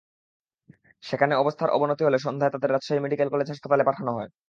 সেখানে অবস্থার অবনতি হলে সন্ধ্যায় তাঁদের রাজশাহী মেডিকেল কলেজ হাসপাতালে পাঠানো হয়।